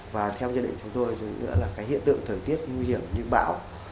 và theo dân định chúng tôi dù nữa là cái hiện tượng thời tiết nguy hiểm như bão